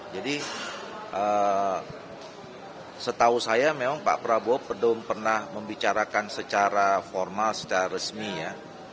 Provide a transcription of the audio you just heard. jadi setahu saya memang pak prabowo belum pernah membicarakan secara formal secara resmi ya